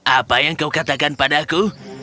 apa yang kau katakan padaku